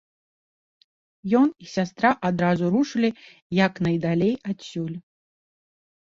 Ён і сястра адразу рушылі як найдалей адсюль.